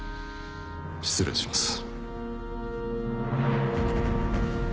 失礼します。